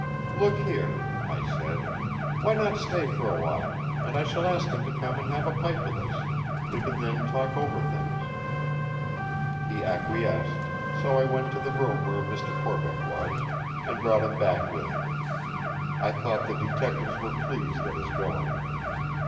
"Look here!" I said, "why not stay for a while: and I shall ask him to come and have a pipe with us. We can then talk over things." He acquiesced: so I went to the room where Mr. Corbeck was, and brought him back with me. I thought the detectives were pleased at his going.